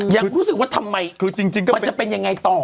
ยังรู้สึกว่าทำไมมันจะเป็นยังไงต่อ